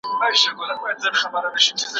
استاد موږ ته لار راښيي.